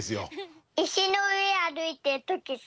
いしのうえあるいてるときさ